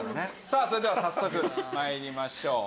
さあそれでは早速参りましょう。